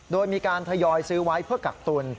โดยมีการทยอยซื้อไว้เพื่อกักตุล